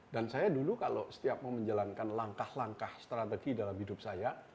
dan saya dulu kalau setiap mau menjalankan langkah langkah strategi dalam hidup saya